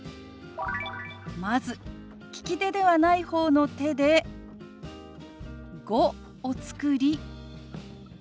まず利き手ではない方の手で「５」を作り